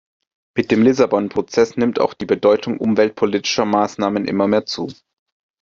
Mit dem Lissabon-Prozess nimmt auch die Bedeutung umweltpolitischer Maßnahmen immer mehr zu.